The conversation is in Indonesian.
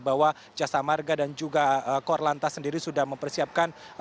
bahwa jasa marka dan juga kor lantas sendiri sudah mempersiapkan